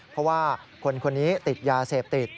เพราะว่าคนคนนี้ติดยาเสพติด